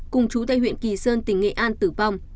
cùng chú tại huyện kỳ sơn tỉnh nghệ an tử vong